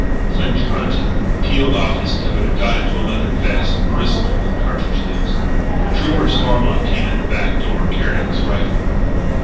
Clinch grunted, peeled off his coat and got into a leather vest bristling with cartridge loops. Trooper Stormont came in the back door, carrying his rifle.